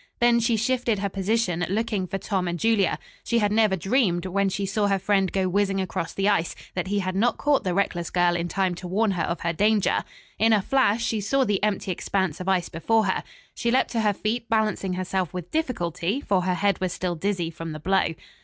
Then she shifted her position, looking for Tom and Julia. She had never dreamed, when she saw her friend go whizzing across the ice, that he had not caught the reckless girl in time to warn her of her danger. In a flash she saw the empty expanse of ice before her. She leaped to her feet, balancing herself with difficulty, for her head was still dizzy from the blow.